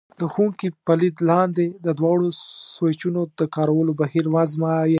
د ښوونکي په لید لاندې د دواړو سویچونو د کارولو بهیر وازمایئ.